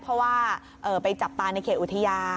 เพราะว่าไปจับปลาในเขตอุทยาน